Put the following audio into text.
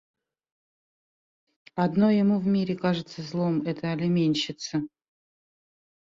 Одно ему в мире кажется злом — это алиментщица.